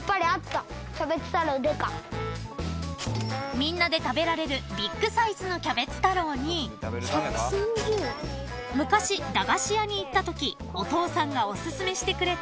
［みんなで食べられるビッグサイズのキャベツ太郎に昔駄菓子屋に行ったときお父さんがおすすめしてくれたお煎餅］